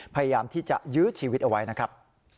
พยายามที่จะยื้อชีวิตเอาไว้นะครับ